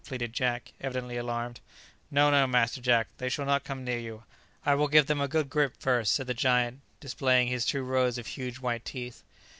pleaded Jack, evidently alarmed. "No, no, Master Jack, they shall not come near you. I will give them a good grip first," and the giant displayed his two rows of huge white teeth.